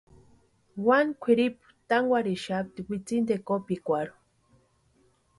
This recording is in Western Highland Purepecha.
Wani kwʼiripu tánkwarhitixapti witsintikwa kopikwarhu.